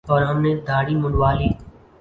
اور ہم نے دھاڑی منڈوادی